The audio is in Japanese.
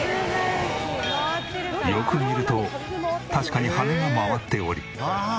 よく見ると確かに羽根が回っており。